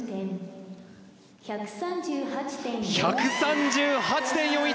１３８．４１！